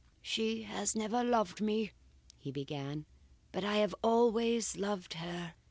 "She has never loved me," he began, "but I have always loved her.